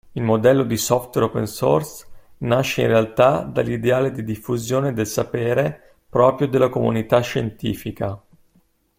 Il modello di software open source nasce in realtà dall'ideale di diffusione del sapere proprio della comunità scientifica.